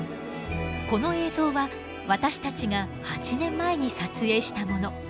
この映像は私たちが８年前に撮影したもの。